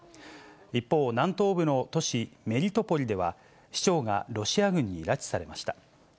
一方、南東部の都市メリトポリでは、市長がロシア軍に拉致されました。